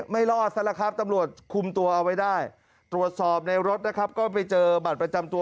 ไม่รอดซะละครับตำรวจคุมตัวเอาไว้ได้ตรวจสอบในรถนะครับก็ไปเจอบัตรประจำตัว